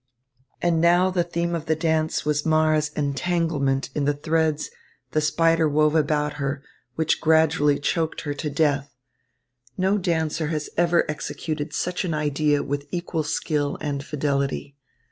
And now the theme of the dance was Mara's entanglement in the threads the spider wove about her, which gradually choked her to death. No dancer has ever executed such an idea with equal skill and fidelity.